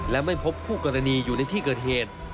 และไม่พบคู่กรณีอยู่ในที่เกิดเหตุ